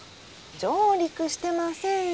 上陸してませんよ。